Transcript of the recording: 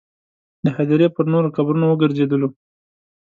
د هدیرې پر نورو قبرونو وګرځېدلو.